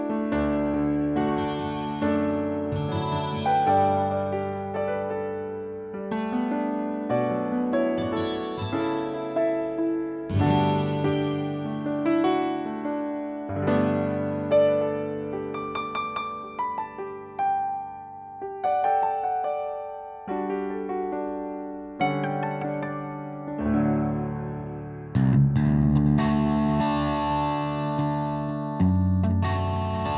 enak lah buatan mama